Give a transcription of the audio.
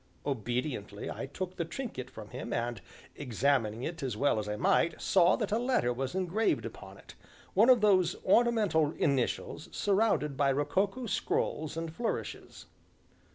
Obediently I took the trinket from him, and, examining it as well as I might, saw that a letter was engraved upon it, one of those ornamental initials surrounded by rococo scrolls and flourishes.